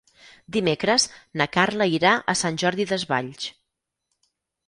Dimecres na Carla irà a Sant Jordi Desvalls.